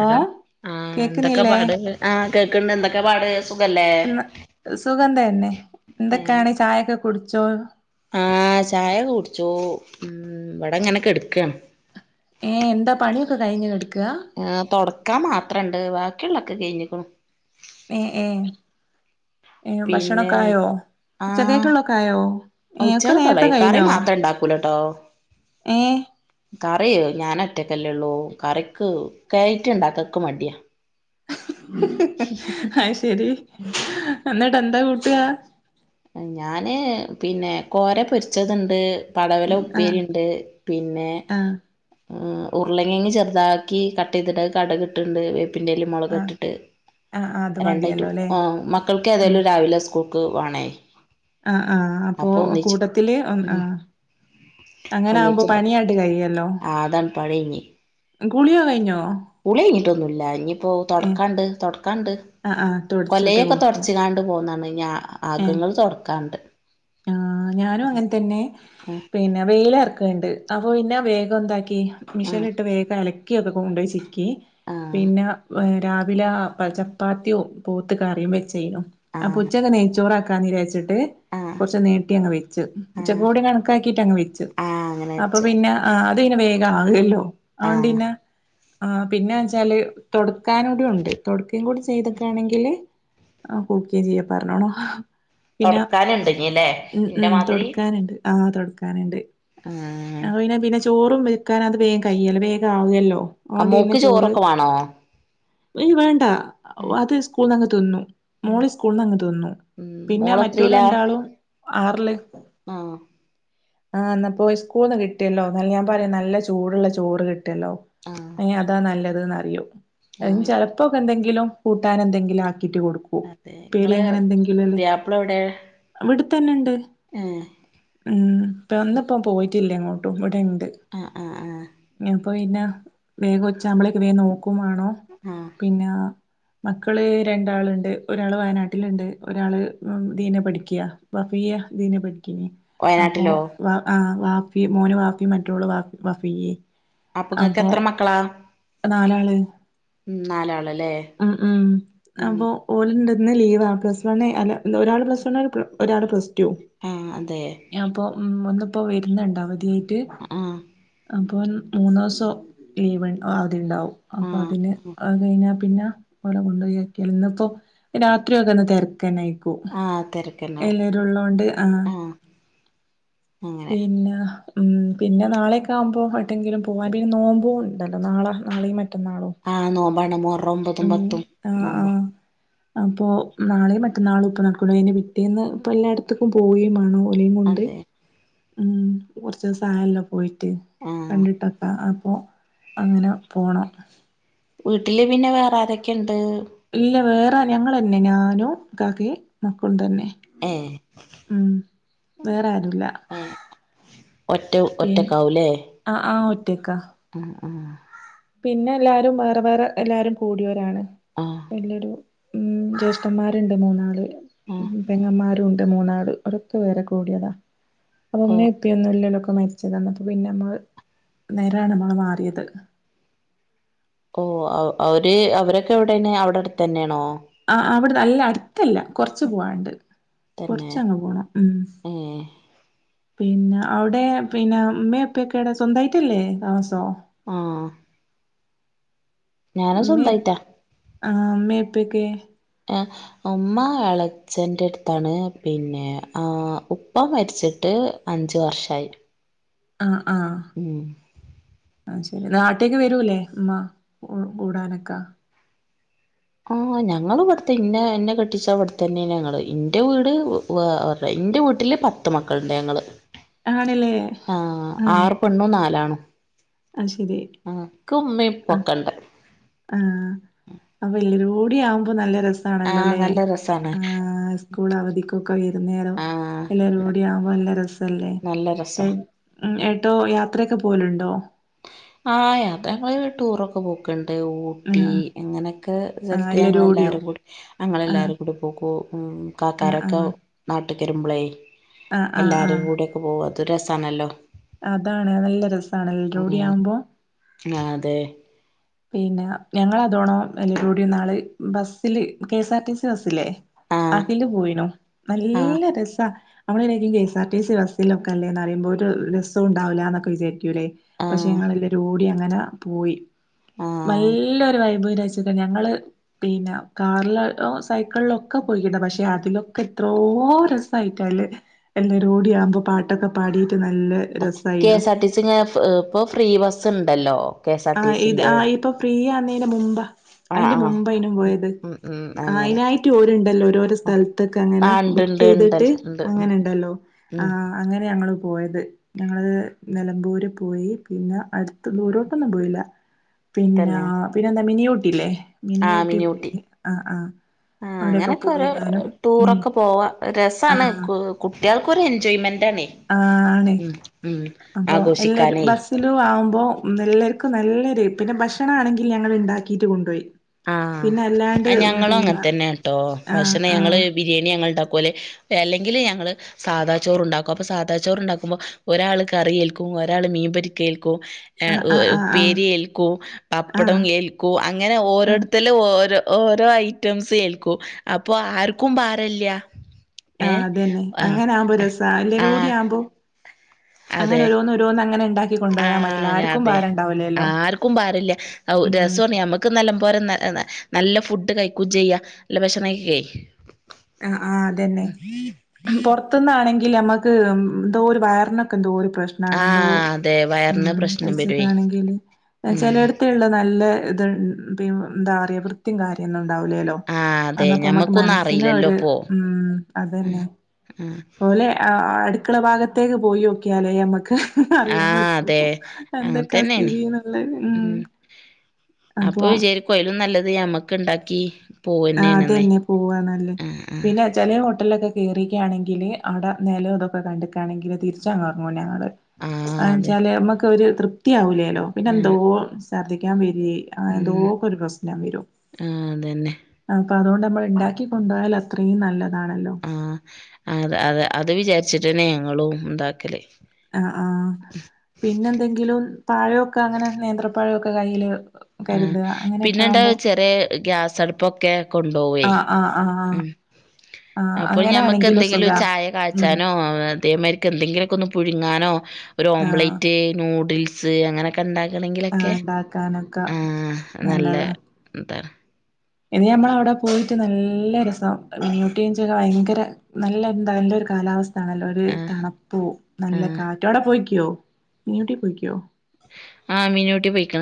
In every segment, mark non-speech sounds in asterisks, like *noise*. Hello ആഹ് എന്തൊക്കെ കേക്കുന്നില്ലേ പാട് ആഹ് കേക്കണ്ട് എന്തൊക്കെ പാട് സുഖല്ലേ ഇന്ന് സുഖം തന്നെ ഏഹ് എന്തൊക്കെയാണ് ചായയൊക്കെ കുടിച്ചോ ആഹ് ചായ കുടിച്ചു ഉ ഇവിടെ ഇങ്ങന കെടുക്കാണ് ഏഹ് എന്താ പണിയൊക്കെ കഴിഞ്ഞ് കെടു ആഹ് തൊട്ക്കാ മാത്ര ഇണ്ട് ബാക്കിയുള്ളൊക്കെ കഴിഞ്ഞിക്ക്ണു ഏ ഏ ഏ പിന്നെ ഭക്ഷണൊക്കായോ ആഹ് ഉച്ചക്കക്കുള്ളൊതൊക്കൊയായോ? ഏ ഒക്കെ നേരത്തെ ഉച്ചക്കക്കുള്ളായി കറി കയിഞ്ഞോ? മാത്രം ഇണ്ടാക്കൂലട്ടോ ഏ കറി ഞാൻറ്റക്കല്ലേള്ളൂ കറിക്ക് ഇക്കായിറ്റ് ഇണ്ടാക്കാന് ക്ക് മടിയാ ഹ ഹ ആഹ് ശരി എന്നിട്ട് എന്താ കൂട്ടാ ഞാന് പിന്നെ കോര പൊരിച്ചതുണ്ട് പടവല ആ ഉപ്പേരി ഉണ്ട് പിന്നെ ആ ഉംഉരുളകഴങ്ങ് ചെറുതാക്കി കട്ട്യ്തട്ട് കടക് ഇട്ടിട്ട്ണ്ട് പ്പി *unintelligible* മുളക് ആ ഇട്ടിട്ട് ആ അത് രണ്ടായിട്ട് മതിയല്ലോ അല്ലേ ആ മക്കൾക്ക് ഏതായാലും രാവിലെ സ്കൂ ൾക്ക് പോണേ ആഹ് ആ അപ്പൊ കൂട്ടത്തില് ഒന്ന് ഉം ആ അങ്ങനെ ആകുമ്പോ ഒന്നിച്ചുണ്ടാക്കും പണിയായിട്ട് കഴിയല്ലോ ആ അതാണ് പണി കഴിഞ്ഞ് കുളിയൊ കഴിഞ്ഞോ? കുളി കയിഞ്ഞിട്ടൊന്നുംല്ല ഇനിയിപ്പോ ഏ തുടക്കാണ്ട് തുടക്കാ തൊടക്കാണ്ട് ആ ആ തൊടച്ചിട്ട് കൊലയൊക്കെ കുളിക്ക തുടച്കാണ്ട് പോന്ന് ഞ്ഞ് ഏ അകങ്ങൾ തുടക്കാണ്ട് ആ ഞാനും അങ്ങനെ തന്നെ ആ പിന്നെ വെയില റക്കണ്ട് അപ്പോൊ പിന്നെ വേഗം എന്താക്കി ആ മിഷലിട്ട് വേഗം അലക്കി ആണ് കൊണ്ടേച്ച് ആ പിന്നെ രാവിലെ ചപ്പാത്തിയും പോത്ത് കറിയും വെച്ച് ആ അപ്പൊ ഉച്ചക്ക് നെയ്ച്ചോറാക്കാന്ന്ച്ചിട്ട് ആ കുറച്ച് നീട്ടി അങ്ങ് വെച്ചു ആ ഉച്ചക്കൂടി കണക്കാക്കിട്ട് അങ്ങ് വെച്ചു ആ അങ്ങനെ അപ്പൊ വെച്ചു പിന്നെ ആ അത് പിന്നെ വേഗം ആകല്ലോ ആ അതുകൊണ്ടന്നെ ആ പിന്നെച്ചാല് തൊടക്കാനൂടി ഉണ്ട് തൊടക്കും കൂടി ചെയ്തക്കയാണെങ്കില് ആ ചെയ്യാ പറഞ്ഞോളാ തൊടക്കാനുണ്ട് ഉം ഉം തൊടക്കാനുണ്ട് ആഹ് തൊടക്കാനുണ്ട് അ പിന്നെ പിന്നെ ചോറും വയ്ക്കാൻ അത് വേഗം കയ്യല്ലോ വേഗമാവൂലല്ലോ ആ ഓണ്ടന്നെ മോൾക്ക് ചോറ് ചോറൊക്കെ വേണോ വേണ്ട ഉം അത് സ്കൂള നിങ്ങ് തിന്നു ഉം മോളി സ്കൂൾന്ന് വന്ന് തിന്നു. ഉം പിന്നെ മറ്റോല് മോളെത്രീലാ രണ്ടാളും ആറ്‌ല് ആഹ് ആ ന്നാപ്പോ ഇന്ന് സ്കൂൾന്ന് കിട്ടിയല്ലോ എന്നാല ഞാൻ പറയാ നല്ല ചൂടുള്ള ചോറ് കിട്ടും ല്ലോ ആഹ് അ അതാ നല്ലത്ന്ന് അറിയോ അതിനു ആഹ് ചെലപ്പോൊക്കെ എന്തെങ്കിലും കൂട്ടാൻ എന്തെങ്കിലും ആക്കിട്ട് കൊടുക്കും. അതെ ഉപ്പേരി ഇങ്ങളെ അങ്ങനെ എന്തെങ്കിലുണ്ടെങ്കില് പുതിയാപ്ല എവിടെ ഏഹ് ന്ന്പ്പോ പോയിട്ടില്ല എങ്ങോട്ടും ഇവിടെണ്ട് ആ ആ ആ അപ്പൊ പിന്നെ വേഗം ഉച്ചാവുമ്പോളേക്ക് വേം നോക്കും വാണം ആഹ് പിന്നെ മക്കള് രണ്ടാളുണ്ട് ഒരാള് വയനാട്ടിലുണ്ട് ഒരാള് ദീനെ പഠിക്ക വാഫിയ ദീന പഠിക്കയാ അപ്പൊ വയനാട്ടിലോ വ ആ വാഫി മോന് വാഫിം മറ്റോള് വഫിയ്യിം അപ്പൊ നിങ്ങക്ക് എത്ര മക്കളാ? നാലാള് ഉം നാലാള ഉം ഉം അപ്പൊ ഓല്ണ്ട് ഇന്ന് ലീവാ പ്ലസ് വണ്ണ് അല്ല ഒരാള് പ്ലസ് വണ്ണ് ഒരാൾ പ്ലസ് ടു ആഹ് അതെ അപ്പൊ ഉം ഇന്നിപ്പോ വരുന്നുണ്ടോ അവധിയായിട്ട് ആഹ് ഇപ്പം മൂന്ന് ദിവസം ലീവ് ആദ്യം ഉണ്ടാവും അപ്പം അതിന് ആഹ് അത് കഴിഞ്ഞാൽ പിന്നെ ഓടെ കൊണ്ടുപോയിക്കിയാല് ഇന്നിപ്പോ രാത്രിയ ഒക്കെ ഒന്ന് തിരക്കന്നെയിക്കും ആഹ് തെരക്കന്നാവും എല്ലരുള്ളൊണ്ട് ആഹ് അങ്ങനെ പിന്നെ പിന്നെ നാളെയക്കെ ആുമ്പോൾ ഏട്ടെങ്കിലും പോകാൻ പിന്നെ നോമ്പോ ഉണ്ടല്ലോ നാളെ നാളെയും മറ്റന്നാ മറ്റന്നാളും ഇബട മുഹറം ഒമ്പതും പത്തും നോമ്പാ അപ്പോൾ നാളെയും മറ്റന്നാളും ഇപ്പൾ നടക്കുളു അതിൻ്റെ പിറ്റേന്ന് പ്പ എല്ലായിടത്തേക്കും പോയേ മാ ണോം *unintelligible* കൊണ്ട് അതെ ഉ കുറച്ച ദിവസ ആയല്ലോ പോയിട്ട് ആഹ് കണ്ടിട്ടപ്പ അപ്പോൾ അങ്ങനെ പോണം വീട്ടില് പിന്നെ വേറെ ആരൊക്കെയുണ്ട് ഇല്ല വേറെ ആരും ഞങ്ങ തന്നെ ഞാനും ഇക്കാക്ക യും മക്കളും തന്നെ ഏഹ് ഉം വേറെ ആരുല്ല ഏഹ് ഒറ്റ പിന്നെ ഒറ്റക്കാവൂലേ ആ ആ ഒറ്റക്ക ആഹ് ആഹ് പിന്നെ എല്ലാരും വേറെ വേറെ എല്ലാരും കൂടിയവരാണ് ആഹ് വല്ലൊരു ഉ ജ്യേഷ്ഠന്മാരുണ്ട് മൂന്നാള് ആഹ് ഉം പെങ്ങന്മാരുണ്ട് മൂന്നാള്ഒരൊക്കെ വേറെ കൂടിയതാ അവിടെ ഓ ഉമ്മയും ഉപ്പയും ഒന്നുംല്ലല്ലോ മരിച്ചത് തന്നപ്പോ പിന്നെ നമ്മള് നേരാണ് നമ്മള് മാറിയത് ഓ അവര് അവരൊക്കെ എവിടെന്നെ അവിടെ അടുത്ത് തന്നെയാണോ ആ അവിടെ നല്ല അടുത്തല്ല കൊറച്ച് പോവാണ്ട് തന്നെ കൊറച്ചങ്ങ പോണം ഉം ഏഹ് പിന്നെ അവിടെ പിന്നെ ഉമ്മേംഉപ്പൊക്കെടെ സ്വന്തമായിട്ടല്ലേ താമസോം ഞാനാ ഉമ്മേ സ്വന്തായിട്ടാ ആ ഉമ്മേം ഉപ്പേക്കേ ഉമ്മ എളച്ചന്റെ അടുത്താണ് പിന്നെ ഉപ്പ മരിച്ചിട്ട് *unintelligible* അഞ്ച് വർഷായി ആ ആ ഉം ആ ശരി നാട്ടേക്ക് വരൂല്ലേ ഉമ്മ കൂടാനൊക്കെ ആ ഞങ്ങള് ഇവിടുത്തെ ഇന്ന എന്നെ കെട്ടിച്ച അവിടെ തന്നെ ഞങ്ങള് ഇന്റെ വീട് *unintelligible* എന്റെ വീട്ടില് പത്ത് മക്കളുണ്ട് ഞങ്ങള് ആണല്ലേ ആ ആറ് പെണ്ണും നാലാണും അത് ശരി ആ ആ ക്മിപ്പൊക്കെണ്ട് ആ അപ്പൊ എല്ല രൂടി ആവുമ്പോ നല്ല ര ആഹ് സആണല്ലോല്ലെ നല്ല രസാണ് ആ സ്കൂൾ അവധിക്ക് വൈരുന്നേരം ആഹ് എല്ലരുംകൂടി ആകുമ്പോ നല്ല രസം ല്ലേ നല്ല രസാ എ ഏട്ടോ യാത്രൊക്കെ പോകലുണ്ടോ ആ യാത്ര ഞങ്ങള് ടൂറൊക്കെ പോക്കണ്ട് ആ ഊട്ടി അങ്ങനെയൊക്കെ ആ സ്ഥലത്ത് എല്ലാരും കൂടിയോ ഞങ്ങളൾെല്ലാവരും കൂടി ആ ഞങ്ങളെല്ലാവരും കൂടി പോക്കും ഉം ആ കക്കാരൊക്കെ ആ നട്ട തിരുമ്പളേ ആഹ് ആഹ് എല്ലാരും ആഹ് കൂടെൊക്കെ പോക അത് രസാണല്ലോ അതാണ് നല്ല രസമാണ് എല്ലരും കൂടി ആവുമ്പോ ആ അതെ പിന്നെ ഞങ്ങ അതോണോ എല്ലൂരി കൂടെ നാള് ബസ്സില് കെഎസ് ആർ ടി സി ബസ്സില്ലേ ആഹ് അതില് പോയിണോ ആഹ് നല്ല രസ നമ്മളനരിക്കും K S R T C ബസിലൊക്കല്ലേ എന്ന് പറുമ്പോൾ ഒരു രസം ഉണ്ടാവില്ല എന്നൊക്കെ വിചാരിക്കു ല്ലേ പക്ഷെ ആഹ് ഞങ്ങളെല്ലരും ഓടി അങ്ങനെ പോയി ആഹ് നല്ലൊരു വൈ ബ്‌ *unintelligible* ഞങ്ങള് പിന്നെ കാറില് ഓ സൈക്കിളിലൊക്കെ പോയിക്കണ്ട പക്ഷെ അതിലൊക്കെ എത്രോ ഓ രസമായിട്ടാണ് ല്ലെ എല്ലാരും കൂടെയാകുമ്പോ പാട്ടൊക്കെ പാടിട്ട് നല്ല രസായിനു കെഎസ്ആർ ടി സി *unintelligible* ഇപ്പൊ ഫ്രീ ബസ്സ് ഉണ്ടല്ലോ ആ് ഇത് ആ ഇപ്പൊ പ്രിയായ തിന് മുമ്പ് ആഹ് അതിന്റെ ആഹ് മുമ്പൈനും ഉം പോയത് ഉം ഉം അങ്ങനെ അതിനായിട്ട് ഓരുണ്ടല്ലോ ഓരോരോ സ്ഥലത്തൊക്കെ അങ്ങനെ ആഹ് ഇണ്ട് ബുക്ക് ഇണ്ട് ചെയ്തിട്ട് ഇണ്ടല്ലോ ഇണ്ട് ഉം അങ്ങനെ ഉണ്ടല്ലോ ആ ഉം അങ്ങനെ ഞങ്ങള് പോയത് ഞങ്ങള് നിലമ്പൂര് പോയി പിന്നെ അടുത്ത ദൂരോട്ടൊന്നും പോയില്ല പിന്നെ തന്നെ പിന്നെന്താ മിനിയൂട്ടില്ലേ ആഹ് മിനിയൂട്ടി മിനി ഊട്ടി പോയി ആ ആ ആ അങ്ങനൊക്കെ ഒരു ടൂറൊക്കെ പോവാ രസമാണ് ആഹ് കുട്ടികൾക്ക് കുറെ എൻജോയ്മെന്റ് ആണേ ആണ് അപ്പൊ എല്ലാരും ബസിലും ആവുമ്പോ എല്ലാവർക്കും നല്ലൊരു പിന്നെ ഭക്ഷണ ആണെങ്കിൽ ഞങ്ങൾ ആഹ പിന്നെ അല്ലാണ്ട് ആ ഞങ്ങളും അങ്ങനെ പിന്നെ തന്നെ കേട്ടോ ആഹ് ഭക്ഷണം ഞങ്ങള് ആഹ് ബിരിയാണി ഞങ്ങളുടെ തുലെ അല്ലെങ്കിൽ ഞങ്ങങ്ങള് സാധാ ചോറ ഉണ്ടാക്കും അപ്പോൾ സാധാ ചോറ് ഉണ്ടാക്കുമ്പോൾ ഒരാൾ കറിയേൽക്കും ഒരാൾ മീൻ പൊരിക്കയിൽ ആഹ് ആഹ് ആഹ് ആഹ് ഉപ്പേരി ഏൽക്കും പപ്പടം ആഹ് ഏൽക്കും അങ്ങനെ ഓരോ ആഹ് ഓടുത്തൽ ഓരോ ഓരോ ഐറ്റംസ്എൽ ക്കും അപ്പൊ ആർക്കും പാറില്ല ആ അതന്നെ അങ്ങനെ ആവുമ്പോ രസ എല്ലര ആ കൂടി ആവുമ്പോ അതെ അങ്ങനെഓരോന്ന് ഓരോന്ന് അങ്ങനെ ഉണ്ടാക്കി കൊണ്ടയാൽ മതില്ല ആഹ് ആക്കും അതെ ഭാരണ്ടാവില്ല ആർക്കും ഭാരല്ല രസമാണ് നമ്മുക്ക് നല്ല പോലെ നല്ല നല്ല ഫുഡ് കഴിക്കയും ചെയ്യ നല്ല ഭക്ഷണം കയി ആ ആഹ അതന്നെ പുറത്തുന്നാണെങ്കിൽ നമ്മുക്ക് എന്തോ ഒരു വയറിനൊക്കെ എന്തോ ഒരു പ്രശ്നമാണ് എന്തോ ആഹ് അതെ വയറിന് ഉം പ്രശ്നം പൈച്ചക്ക വരുവേ ആണെങ്കില് ഉം ചിലയിടത്തുള്ള നല്ല ഇത് എന്താ പറയ വൃ ത്തിം കാര്യൊന്നും ഉണ്ടാവില്ലല്ലോ ആഹ് അതെ അന്നപ്പോ നമ്മുക്ക് മന ഞമ്മക്കൊന്നും പിന്നെ അറിയില്ലല്ലോ ഒരു ഇപ്പോ ഉം അതന്നെ ആഹ് ആഹ് പോലെ അടുത്ത ടുക്കള ഭാഗത്തേക്ക് പോയി നോക്കിയാലേ നമുക്ക് അറിയാൻ ആഹ് അതെ പറ്റുവ എന്തൊക്കെ അങ്ങൻത്തന്നേണ് സ്ഥിതിന്ന് ഉള്ളത് ഉം അപ്പൊ വിചാരി കൈലും നല്ലത് മ്മക്ക് ഇണ്ടാക്കി ആ അത പോവന്നേണ്ന്ന് തന്നെ പോവ നല്ലേ ആഹ് ആഹ് പിന്നെ ചില ഹോട്ടലൊക്കെ കയറിക്കുകയാണെങ്കിൽ അടെ നിലം ഇതൊക്കെ കണ്ടക്കുകയാണെങ്കിൽ തിരിച്ചങ്റങ്ങൂന ആഹ് അതെ ച്ചാല് നമ്മക്ക്‌ തൃപ്തിയാവില്ലല്ലോ പിന്നെ എന്തോ ആഹ് ശർദ്ധിക്കാൻ വ അ ഉം എന്തോക്കെ ഒരു പ്രശ്നം വരും ആഹ് അതന്നെ അപ്പൊ അതുകൊണ്ട് നമ്മൾ ഉണ്ടാക്കി കൊണ്ടു പോയാൽ അത്രയും നല്ലത് ആഹ അ അത അത് വിചാരിച്ചിട്ടന്നെ ഞങ്ങളും ഉണ്ടാക്കല് ആ ആഹ പിന്നെന്തെങ്കിലും പഴക്കെ അങ്ങനെ നേന്ത്രപ്പാഴക്കെ കയ്യില് ആ കരുതുക അങ്ങനെയൊക്കെ പിന്നെണ്ടാ ആകുമ്പോ ചെറിയ ഗ്യാസടുപ്പൊക്കെ കൊണ്ടുപോവേ ആഹ് ആഹ് ആഹ് ആഹ് ഉം ആഹ് അപ്പൊ ഞമ്മക്ക് അങ്ങനാണെങ്കിലും എന്തെങ്കിലും സുഖാ ചായ ഉം കാഴ്ച്ചാനോ അതേമാരിക്ക് എന്തെങ്കിലുമൊക്കെ ഒന്ന് പുഴുങ്ങാനോ ഒരു ആഹ് ഓംലേറ്റ് നൂഡിൽസ് അങ്ങനെയൊക്കെ ഉണ്ടാക്കി ആഹ ഉണ്ടാക്കാനൊക്കെ ആഹ നല്ല നല്ലതാ എന്താണ് ഇനി ഞമ്മള അവിടെ പോയിട്ട് നല്ല രസം മിനിയോ ചൊക്കെ ഭയങ്കര നല്ല എന്താ നല്ലൊ കാലാവസ്ഥ തണല്ലൊരു ആഹ് തണുപ്പൂ നല്ല ആഹ് കാറ്റോടെ പോയിയ്ക്കുവോ മിനിയൂട്ടി പോയിക്കുവോ ആഹ മീനുട്ടി പോയിക്കണ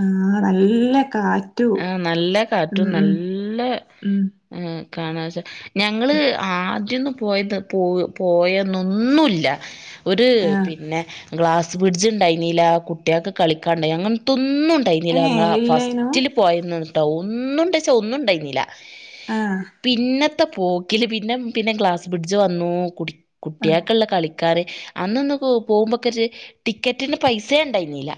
ആ നല്ല കാറ്റു ആ നല്ല ഉം കാറ്റും ഉം നല്ല ഉം ഏ കാണ വെച്ചാ ഞങ്ങള് ആദ്യന്ന പോയത് പോ പോയെന്നൊന്നുമല്ല ഒരു ആഹ് പിന്നെ ഗ്ലാസ് ബ്രഡ്ജ് ഉണ്ടായിരുന്നില്ല കുട്ടികൾക്ക് കളിക്കാണ്ടായി അങ്ങനത്തൊന്നും ഉണ്ടായിരുന്നില്ല ഏഹ് ഞങ്ങള ഇല്ലേനു ഫസ്റ്റ് യട്ടോ ഒന്നും ഇണ്ടച്ച ഒന്നും ഉണ്ടായിരുന്നില്ല ആഹ് പിന്നെ പോക്കില് പിന്നെ പിന്നെ ഗ്ലാസ് ബ്രിഡ്ജ് വന്നു കു ആഹ് കുട്ടിയൊക്കുള്ള കളി ക്കറ് അന്നൊന്ന പോകുമ്പക്കെ ഒരു ടിക്കറ്റിന് പൈസ ഉണ്ടായിന്നല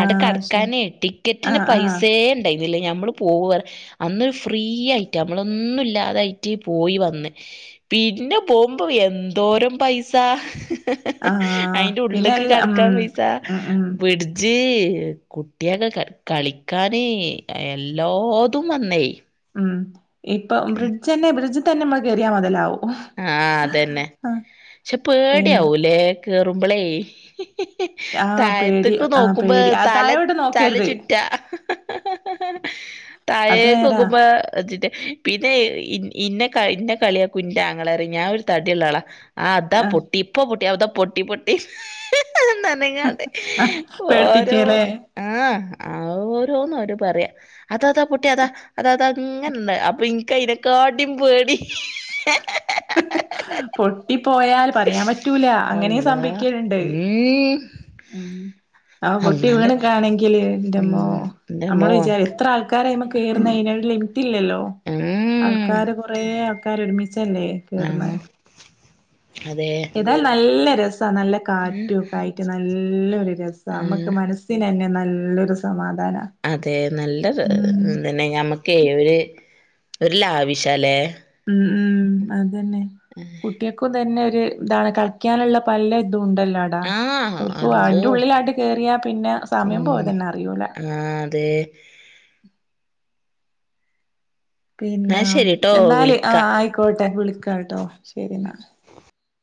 അടെ ശരി കിടക്കാനേ ടിക്കറ്റിന് ആഹ് ആഹ് പൈസേ ഉണ്ടായി നഞമ്മള് പോകറ് അന്നരു ഫ്രീ ആയിട്ട് നമ്മളൊന്നും ഇല്ലാതായിട്ട് പോയി വന്ന് പിന്നെ പോകുമ്പോ എന്തോരം പൈസ ആഹ് അയിന്റെ ഉള്ളിലൊക്ക് പിന്നെല്ല ഉം കിടക്കാൻ പൈസ ഉം ഉം ബഡ്ജ് കുട്ടികക്ക് ക കളിക്കാന് എല്ലാതും വന്നേ. ഉം ഇപ്പം ബ്രിഡ്ജ് തന്നെ ബ്രിഡ്ജി തന്നെ നമ്മൾ കേറിയാ മൊതലാവും. ആ അതന്നെ ആഹ് പക്ഷെ പിന്നെ പേടയാവൂലേ, കേറുമ്പളേ? ആഹ് പേടി താഴത്തേക്ക് ആഹ് നോക്കുമ്പോ പേടി ആ തല താഴോട്ട് തല നോക്കരുത് ചുറ്റുവാ. അത് താഴേക്ക് നേരാ നോക്കുമ്പോതിന്റെ പിന്നെ ഇന്നേ ഇന്നേ കളിയാകുന്റാ. ങ്ങളറിയൊ ഞാനൊരു തടിള്ള ആളാ അതാ ആഹ് പൊട്ടി ഇപ്പൊ പൊട്ടി അതാ പൊട്ടി പൊട്ടി. ആഹ് *unintelligible* പേടിപ്പിച്ചേല്ലേ ഓരോന്ന് ആ ആവോ ഓരോന്ന് അവരു പറയാ അതാതാ പൊട്ടി അതാ അതാ അതങ്ങനണ്ട് അപ്പ എൻകയിനെക്കാട്ടിം പേടി *unintelligible* പൊട്ടി പോയാൽ പറയാൻ പറ്റൂല അങ്ങനേം അള്ളാ സംഭവിക്കലുണ്ട്. ഉം ഉം ആ പൊട്ടി അള്ളാന്റെ ക- വീണക്കാണെങ്കില് എന്റമ്മോ ഉം എന്റമ്മോ നമ്മള് വിചാരി, എത്ര ആൾക്ക ആൾക്കാരയ്മേ കേറുന്നെ, അതിനൊരു ലിമിറ്റ് ഇല്ലല്ലോ. ഉം ആൾക്കാര് കൊറേ ആൾക്കാര് ഒരുമിച്ച് ച്ചല്ലേ ആ കേറുന്നെ. അതെ ഏതായാലും നല്ല രസ നല്ല ഉം കാറ്റുക്കെയായിട്ടു നല്ലൊരിതൊക്കെ ആ നമ്മുക്ക് മനസ്സിന് തന്നെ നല്ല നല്ലൊരു സമാധാനം. അതെ നല്ലത് തന്നേ ഞമ്മക്കേ ഒരു വര് ലാവിഷാല്ലേ? ഉം അതന്നെ കുട്ടികൾക്കും തന്നെ ഒരു ഇതാണ് കളിക്കാനുള്ള പലെ ഇതും ഉണ്ടല്ലോ അതാ, ആ ഓർക്കു അള്ളോ അയിന്റെ ഉള്ളിലാട്ട് കേറിയാ പിന്നെ സമയം പോണതന്നെ അറിയൂല. അതേ. എന്നാ പിന്നെ, ശരിട്ടോ എന്നാല് ആ വിളിക്കാ ആയിക്കോട്ടെ, വിളിക്കാട്ടോ ശരിന്നാ.